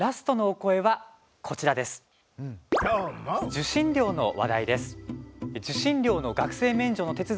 受信料の話題です。